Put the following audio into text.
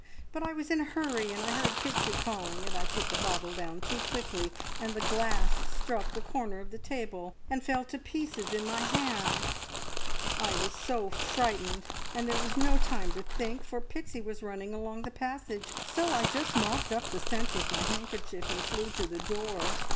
But I was in a hurry, and I heard Pixie calling, and I put the bottle down too quickly, and the glass struck the corner of the table and fell into pieces in my hand. I was so frightened and there was no time to think, for Pixie was running along the passage, so I just mopped up the scent with my handkerchief, and flew to the door.